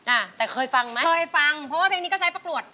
อ่ะแต่เคยฟังไหมเคยฟังเพราะว่าเพลงนี้ก็ใช้ประกวด